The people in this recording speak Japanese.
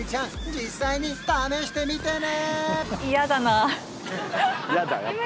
実際に試してみてね！